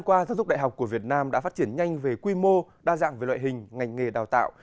các đại học của việt nam đã phát triển nhanh về quy mô đa dạng về loại hình ngành nghề đào tạo